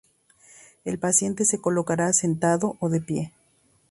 El paciente se colocará sentado o de pie.